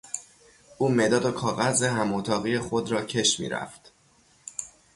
او مداد و کاغذ هم اتاقی خود را کش میرفت.